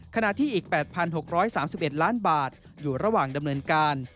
ขณะที่อีก๘๖๓๑ล้านบาทอยู่ระหว่างดำเนินการ